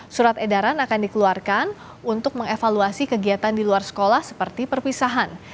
surat edaran akan dikeluarkan untuk mengevaluasi kegiatan di luar sekolah seperti perpisahan